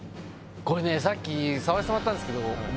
これねさっき触らせてもらったんですけど